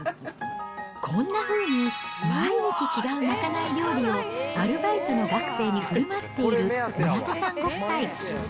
こんなふうに、毎日違う賄い料理をアルバイトの学生にふるまっている湊さんご夫妻。